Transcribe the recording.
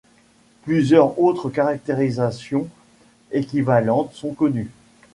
Plusieurs autres caractérisations équivalentes sont connues.